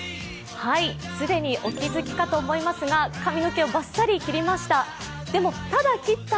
既にお気づきかと思いますが髪の毛をばっさり切りました。